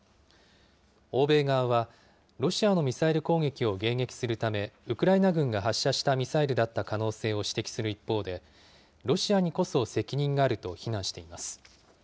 欧米側はロシアのミサイル攻撃を迎撃するため、ウクライナ軍が発射したミサイルだった可能性を指摘する一方で、ロシアにこそ責任があると非難しています。